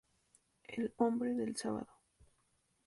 El hombre del sábado